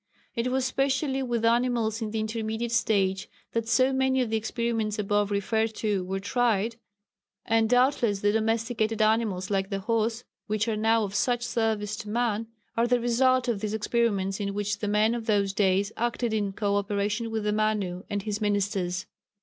It was specially with animals in the intermediate stage that so many of the experiments above referred to were tried, and doubtless the domesticated animals like the horse, which are now of such service to man, are the result of these experiments in which the men of those days acted in co operation with the Manu and his ministers.